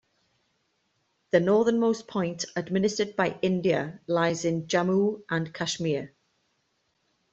The northernmost point administered by India lies in Jammu and Kashmir.